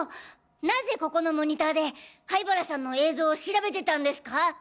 なぜここのモニターで灰原さんの映像を調べてたんですか？